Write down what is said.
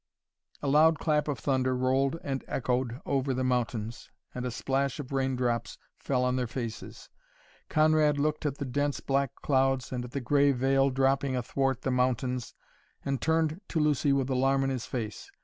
A loud clap of thunder rolled and echoed over the mountains, and a splash of raindrops fell on their faces. Conrad looked at the dense black clouds and at the gray veil dropping athwart the mountains, and turned to Lucy with alarm in his face.